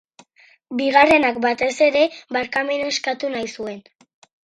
Bigarrenak, batez ere, barkamena eskatu nahi zuen.